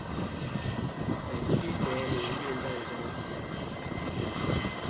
北區國民運動中心